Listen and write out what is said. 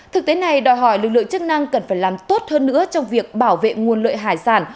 thực tế này đòi hỏi lực lượng chức năng cần phải làm tốt hơn nữa trong việc bảo vệ nguồn lợi hải sản